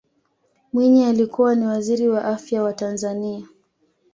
mwinyi alikuwa ni waziri wa afya wa tanzania